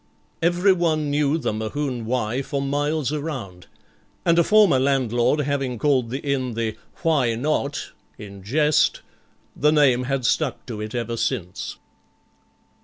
Everyone knew the Mohune 'Y' for miles around, and a former landlord having called the inn the Why Not? in jest, the name had stuck to it ever since.